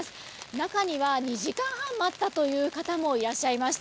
中には２時間半待ったという方もいらっしゃいました。